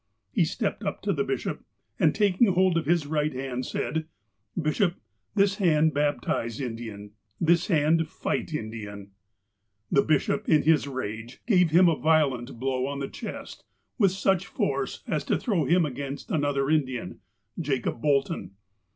He stepped up to the bishop, and, taking hold of his right hand, said : THE SERPENT 275 "Bishop, this hand baptize Indian. This hand fight Indian." The bishop, in his rage, gave him a violent blow on the chest with such force as to throw him against another Indian, Jacob Bolton.